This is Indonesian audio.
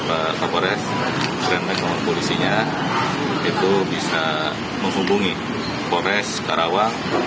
pak polres grand mag polisinya itu bisa menghubungi polres karawang